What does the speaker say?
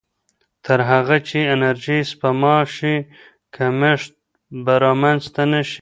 تر هغه چې انرژي سپما شي، کمښت به رامنځته نه شي.